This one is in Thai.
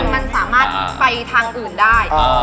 มันสามารถไปทางอื่นได้